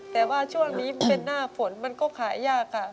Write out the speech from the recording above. แต่ว่าช่วงนี้มันเป็นหน้าฝนมันก็ขายยากค่ะ